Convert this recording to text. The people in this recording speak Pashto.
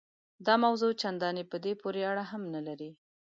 دا موضوع چنداني په دې پورې اړه هم نه لري.